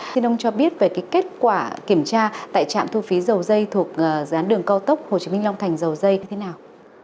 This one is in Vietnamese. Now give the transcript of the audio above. xin ông cho biết về cái kết quả kiểm tra tại trạm thu phí dầu dây thuộc dự án đường cao tốc hồ chí minh long thành dầu dây như thế nào